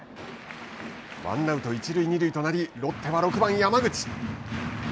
ワンアウト一塁二塁となりロッテは６番山口。